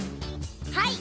はい！